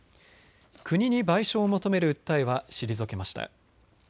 国に賠償を求める訴えは退けました。